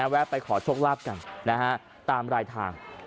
แวะไปขอโชคลาภกันตามรายทาง